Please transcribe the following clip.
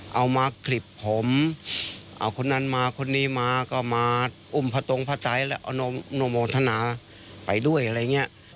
เอามากคลิปผมเอาคนนั้นมาคนนี้มาก็มาอุ้มพระตรงพระใจแล้วเอานุโมทนาไปด้วยอะไรอย่างนี้